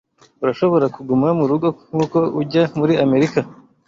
Urashobora kuguma murugo nkuko ujya muri Amerika